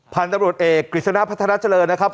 พันธุ์ตำรวจเอกกฤษณะพัฒนาเจริญนะครับ